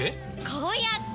こうやって！